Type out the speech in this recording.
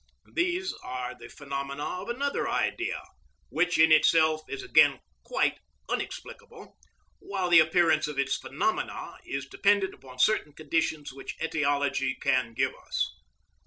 These are the phenomena of another Idea, which in itself is again quite inexplicable, while the appearance of its phenomena is dependent upon certain conditions which etiology can give us.